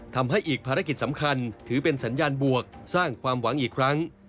ทำให้อีกภารกิจสำคัญถือเป็นสัญญาณบวกสร้างความหวังอีกครั้ง